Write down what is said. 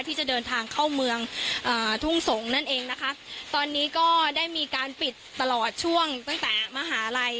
ที่จะเดินทางเข้าเมืองอ่าทุ่งสงศ์นั่นเองนะคะตอนนี้ก็ได้มีการปิดตลอดช่วงตั้งแต่มหาลัย